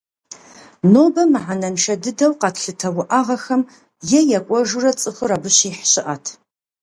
Нобэ мыхьэнэншэ дыдэу къэтлъытэ уӏэгъэхэм е екӏуэжурэ цӏыхур абы щихь щыӏэт.